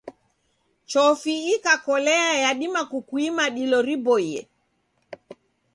Chofi ikakolea yadima kukuima dilo riboie.